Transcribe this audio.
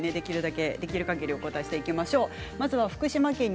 できるかぎりお答えしていきましょう。